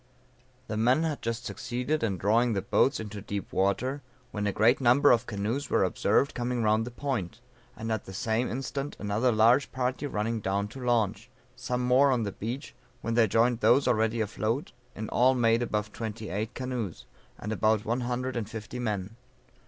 The men had just succeeded in drawing the boats into deep water, when a great number of canoes were observed coming round the point, and at the same instant another large party running down to launch; some more on the beach, when they joined those already afloat, in all made above twenty eight canoes, and about one hundred and fifty men.